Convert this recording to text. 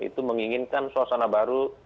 itu menginginkan suasana baru